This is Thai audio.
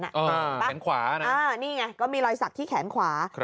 แขนขวานะนี่ไงก็มีรอยสักที่แขนขวา